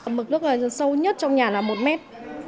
mực nước sâu nhất trong nhà là một mét